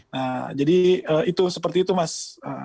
nah jadi itu seperti itu mas